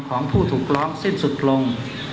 ของผู้ถูกร้องสิ้นสุดลง